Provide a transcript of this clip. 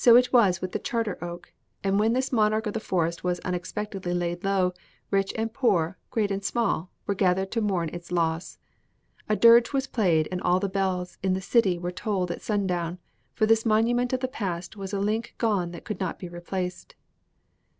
It was so with the Charter Oak; and when this monarch of the forest was unexpectedly laid low, rich and poor, great and small, were gathered to mourn its loss. A dirge was played and all the bells in the city were tolled at sundown, for this monument of the past was a link gone that could not be replaced."